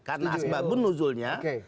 karena asbabun nuzulnya